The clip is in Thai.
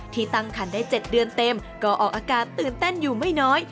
ตั้งคันได้๗เดือนเต็มก็ออกอากาศตื่นเต้นอยู่ไม่น้อย